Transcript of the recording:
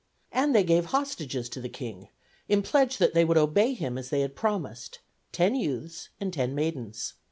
And they gave hostages to the king in pledge that they would obey him as they had promised, ten youths and ten maidens.